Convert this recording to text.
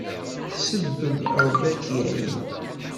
Sebbeb, Rebbi ad k-iεin.